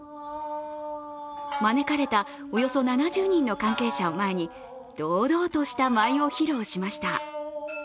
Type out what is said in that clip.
招かれたおよそ７０人の関係者を前に堂々とした舞を披露しました。